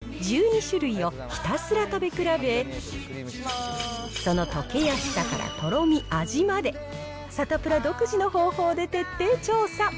そこで今回は、人気のクリームシチューのルー１２種類をひたすら食べ比べ、その溶けやすさからとろみ、味まで、サタプラ独自の方法で徹底調査。